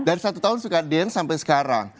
dari satu tahun suka dance sampai sekarang